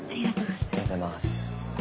ありがとうございます。